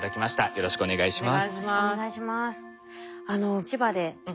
よろしくお願いします。